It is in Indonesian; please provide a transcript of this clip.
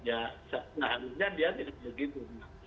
nah harusnya dia tidak begitu